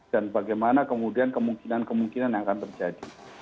dan bagaimana kemudian kemungkinan kemungkinan yang akan terjadi